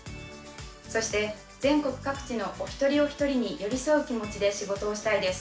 そして全国各地のお一人お一人に寄り添う気持ちで仕事をしたいです。